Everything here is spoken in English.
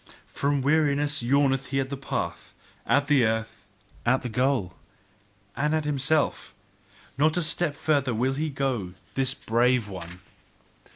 From weariness yawneth he at the path, at the earth, at the goal, and at himself: not a step further will he go, this brave one!